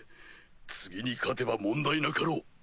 次に勝てば問題なかろう。